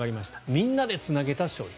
みんなでつなげた勝利